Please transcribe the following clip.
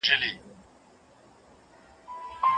د اوږدې مودې لپاره ناسته د ملا د درد لامل کېږي.